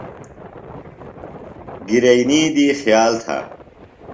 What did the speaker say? گِرئینی دی خیال تھہ۔